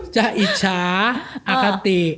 จะอิจฉาจะอิจฉา